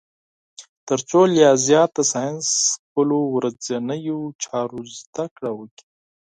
تر څو لا زیات د ساینس خپلو ورځنیو چارو زده کړه وکړي.